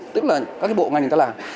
tức là các bộ ngành người ta làm